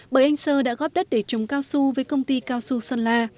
bởi anh sơ đã góp đất để trồng cao su với công ty cao su sơn la